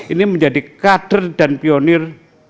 ini menjadi kader dan pionir